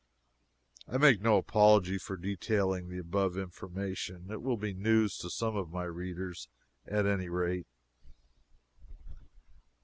I make no apology for detailing the above information. It will be news to some of my readers, at any rate.